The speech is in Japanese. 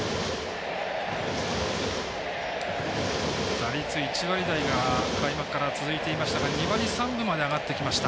打率１割台が開幕から続いていましたが２割３分まで上がってきました。